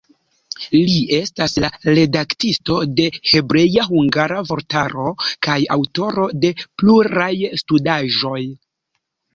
Li estas la redaktisto de hebrea-hungara vortaro kaj aŭtoro de pluraj studaĵoj.